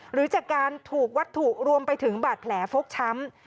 หรือจากการถูกวัตถุรวมไปถึงบาดแผลฟกช้ำ